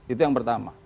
itu yang pertama